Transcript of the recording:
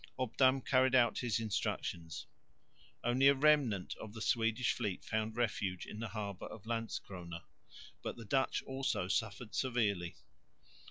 Obdam carried out his instructions. Only a remnant of the Swedish fleet found refuge in the harbour of Landskrona, but the Dutch also suffered severely.